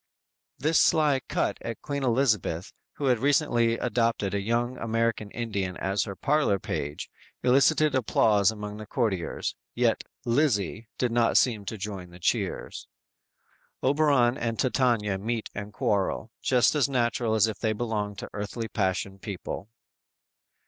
"_ This sly cut at Queen Elizabeth, who had recently adopted a young American Indian as her parlor page, elicited applause among the courtiers, yet "Lizzie" did not seem to join in the cheers! Oberon and Titania meet and quarrel, just as natural as if they belonged to earthly passion people.